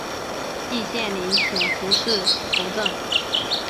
季羡林请胡适斧正。